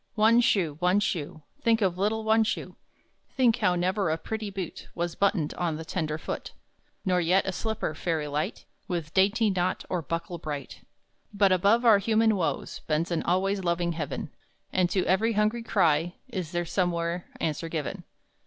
One Shoe, One Shoe, Think of Little One Shoe! Think how never a pretty boot Was buttoned on the tender foot; Nor yet a slipper, fairy light, With dainty knot or buckle bright! But above our human woes Bends an always loving Heaven; And to every hungry cry Is there somewhere answer given.